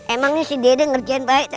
emangnya si dede ngerjain baik dah